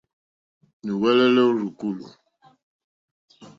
Nùwɛ́lɛ́lɛ́ ó rzùkúlù.